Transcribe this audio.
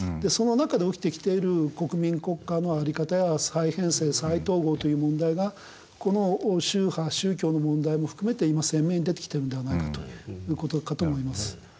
その中で起きてきている国民国家の在り方や再編成再統合という問題がこの宗派宗教の問題も含めて今鮮明に出てきてるのではないかという事かと思います。